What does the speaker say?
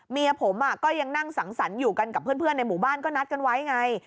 เมียผมก็ยังนั่งสังสรรค์อยู่กันกับเพื่อนในหมู่บ้านก็นัดกันไว้ไง